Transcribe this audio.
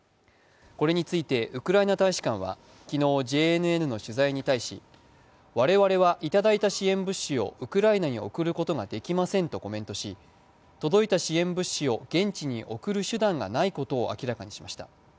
これについてウクライナ大使館は昨日、ＪＮＮの取材に対し我々は頂いた支援物資をウクライナに送ることができませんとコメントし届いた支援物資を現地に送る手段がないことを明らかにしました。